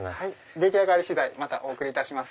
出来上がり次第お送りいたします